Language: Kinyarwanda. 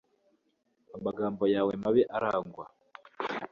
Amagambo yawe mabi aragwa